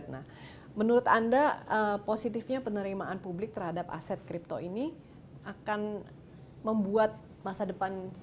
nah menurut anda positifnya penerimaan publik terhadap aset kripto ini akan membuat masa depan